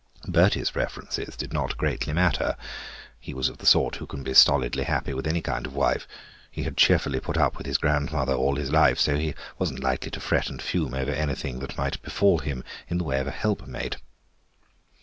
Bertie's preferences did not greatly matter; he was of the sort who can be stolidly happy with any kind of wife; he had cheerfully put up with his grandmother all his life, so was not likely to fret and fume over anything that might befall him in the way of a helpmate.